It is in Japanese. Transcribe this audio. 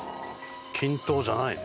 均等じゃないね。